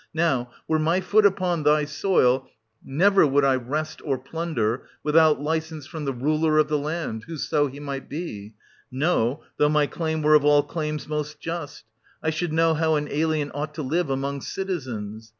Now, were my foot upon thy soil, never would I wrest or plunder, without licence from the ruler of the land, whoso he might be — no, though my claim were of all claims most just : I should know how an alien ought to live among citi zens.